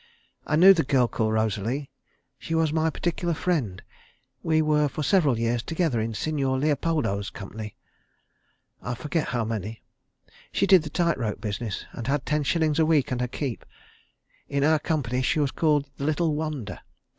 I knew the girl called Rosalie. She was my particular friend. We were for several years together in Signor Leopoldo's company. I forget how many. She did the tight rope business, and had ten shillings a week and her keep. In our company she was called the 'Little Wonder.'